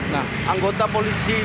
nah anggota polisi